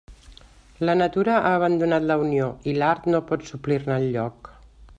La natura ha abandonat la unió, i l'art no pot suplir-ne el lloc.